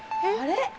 あれ？